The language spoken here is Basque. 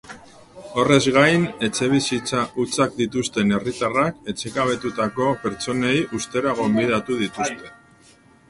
Horrez gain, etxebizitza hutsak dituzten herritarrak etxegabetutako pertsonei uztera gonbidatu dituzte.